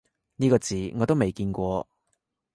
呢個字我都未見過